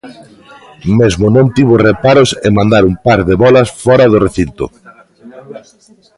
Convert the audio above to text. Mesmo non tivo reparos en mandar un par de bólas fóra do recinto.